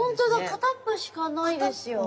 片っぽしかないですよ。